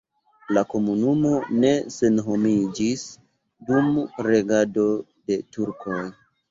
La komunumo ne senhomiĝis dum regado de turkoj.